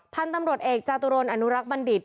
พันธุ์ตำรวจเอกจาตุรนอนุรักษ์บัณฑิต